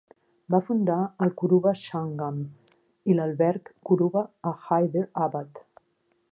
Va fundar el "Kuruba Sangham" i l'alberg Kuruba a Hyderabad.